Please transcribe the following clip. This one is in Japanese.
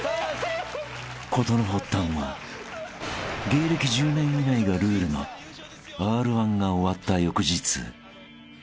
［事の発端は芸歴１０年以内がルールのＲ−１が終わった翌日］